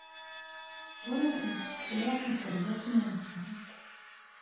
Ur asent-qeffleɣ ikerbasen-nsent.